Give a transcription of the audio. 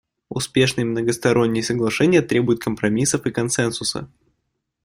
Успешные многосторонние соглашения требуют компромиссов и консенсуса.